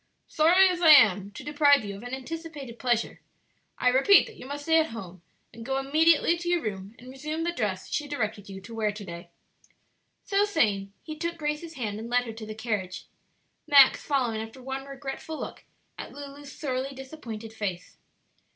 Sorry as I am to deprive you of an anticipated pleasure, I repeat that you must stay at home; and go immediately to your room and resume the dress she directed you to wear to day." So saying he took Grace's hand and led her to the carriage, Max following after one regretful look at Lulu's sorely disappointed face.